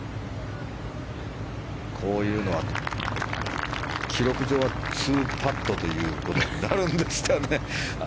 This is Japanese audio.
こういうのは記録上は２パットということになるんですかね。